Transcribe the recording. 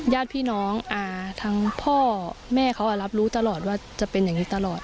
ญาติพี่น้องทั้งพ่อแม่เขารับรู้ตลอดว่าจะเป็นอย่างนี้ตลอด